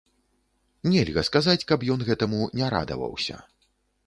Нельга сказаць, каб ён гэтаму не радаваўся.